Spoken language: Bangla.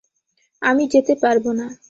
আমি যেতে পারবো না।